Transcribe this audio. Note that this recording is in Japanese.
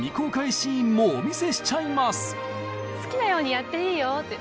「好きなようにやっていいよ」って。